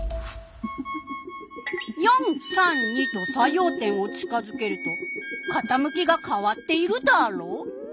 ４３２と作用点を近づけるとかたむきが変わっているダーロ！